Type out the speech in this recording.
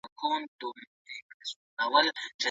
د ټولنیزو پروګرامونو د کیفیت ارزونه د مؤثریت په لټه کي ده.